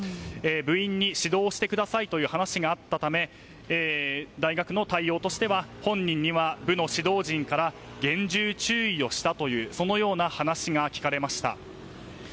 部員に指導してくださいという話があったため大学の対応としては本人には部の指導陣から厳重注意をしたという話が聞かれました。